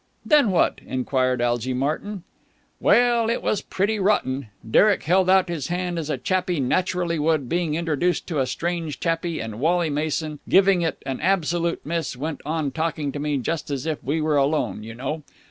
"Then what?" enquired Algy Martyn. "Well, it was pretty rotten. Derek held out his hand, as a chappie naturally would, being introduced to a strange chappie, and Wally Mason, giving it an absolute miss, went on talking to me just as if we were alone, you know.